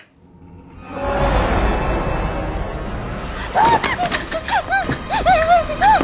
あっ！